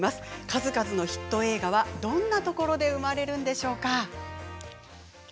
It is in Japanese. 数々のヒット映画はどんなところで生まれるのでしょうか。